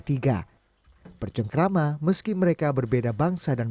mereka bersama ini bersama ini bersama ini bersama ini detiknya